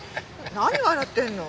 何笑ってるの？